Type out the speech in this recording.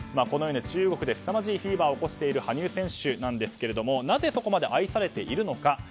このように中国ですさまじいフィーバーを起こしている羽生選手なんですがなぜそこまで愛されているのか。